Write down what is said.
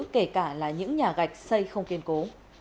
kể cả là những nhà gạch xây không kiên cố